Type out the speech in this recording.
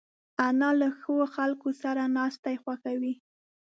انا له ښو خلکو سره ناستې خوښوي